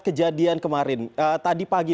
kejadian kemarin tadi pagi